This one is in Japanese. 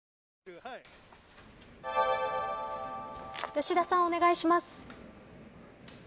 吉田さん、お願いします。